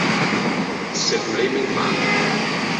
Se bollemmo in mâ.